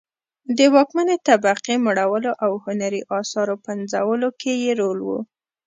د واکمنې طبقې مړولو او هنري اثارو پنځولو کې یې رول و